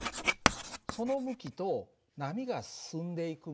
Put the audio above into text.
その向きと波が進んでいく向き